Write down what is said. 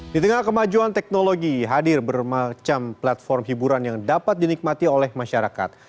di tengah kemajuan teknologi hadir bermacam platform hiburan yang dapat dinikmati oleh masyarakat